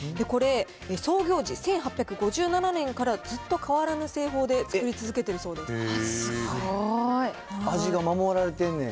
これ、創業時１８５７年から、ずっと変わらぬ製法で作り続けてるそうです。